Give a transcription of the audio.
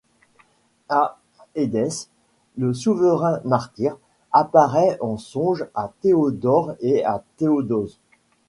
À Édesse, le souverain martyr apparaît en songe à Théodore et à Théodose.